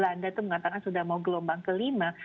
ataupun kalau belanda itu mengatakan sudah mau gelombang kelima